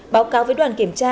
báo cáo với đoàn kiểm tra